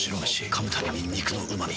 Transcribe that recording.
噛むたびに肉のうま味。